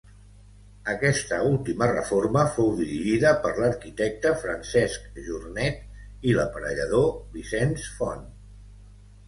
Aquesta última reforma fou dirigida per l'arquitecte Francesc Jornet i l'aparellador Vicenç Font.